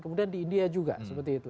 kemudian di india juga seperti itu